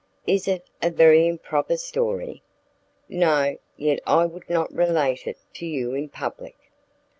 "Is it a very improper story?" "No: yet I would not relate it to you in public."